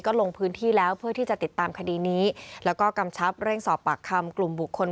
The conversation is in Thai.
ลงพื้นที่แล้วเพื่อที่จะติดตามคดีนี้แล้วก็กำชับเร่งสอบปากคำกลุ่มบุคคล